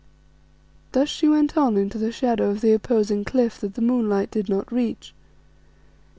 Thus she went on into the shadow of the opposing cliff that the moonlight did not reach.